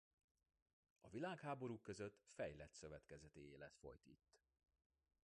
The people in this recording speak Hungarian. A világháborúk között fejlett szövetkezeti élet folyt itt.